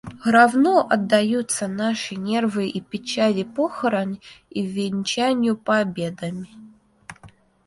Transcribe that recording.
Равно отдаются наши нервы и печали похорон и венчанию победами.